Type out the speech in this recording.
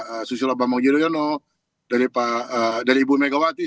mereka saran dari pak susilo bambang jerojono dari ibu megawati